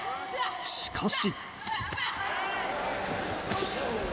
しかし。